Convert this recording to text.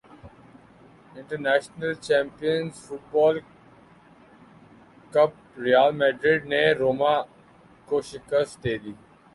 international champions football cup Real Madrid نے روما کو شکست دیدی